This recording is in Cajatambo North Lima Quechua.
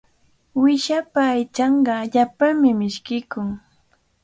Uyshapa aychanqa allaapami mishkiykun.